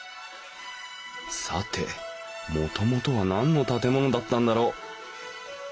さてもともとは何の建物だったんだろう。